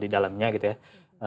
di dalamnya gitu ya